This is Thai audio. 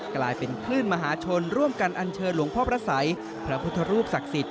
กลายเป็นคลื่นมหาชนร่วมกันอันเชิญหลวงพ่อพระสัยพระพุทธรูปศักดิ์สิทธิ